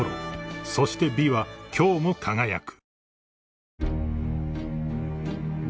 ［そして美は今日も輝く］